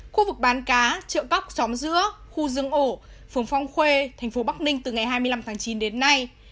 khu vực bán cá trợ góc xóm giữa khu dương ổ phường phong khuê thành phố bắc ninh từ ngày hai mươi năm tháng chín đến nay